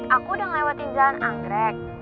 aku udah ngelewatin jalan anggrek